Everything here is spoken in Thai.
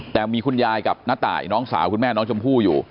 แต่มีคุณยายกับน้าตายน้องสาวคุณแม่น้องชมพู่อยู่